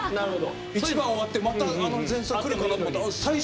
１番終わってまたあの前奏来るかなって思ったら最初の。